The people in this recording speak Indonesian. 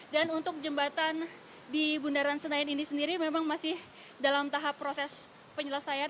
dan untuk jembatan di bundaran senayan ini sendiri memang masih dalam tahap proses penyelesaian